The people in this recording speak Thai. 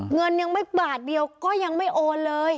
เงินยังไม่บาทเดียวก็ยังไม่โอนเลย